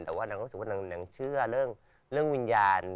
แต่ว่านางก็รู้สึกว่านางเชื่อเรื่องวิญญาณ